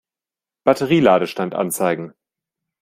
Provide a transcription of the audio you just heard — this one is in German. Batterie-Ladestand anzeigen.